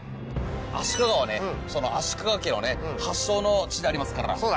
足利はね足利家のね発祥の地でありますから。